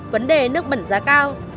vấn đề nước bẩn giá cao